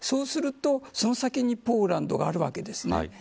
そうすると、その先にポーランドがあるわけです。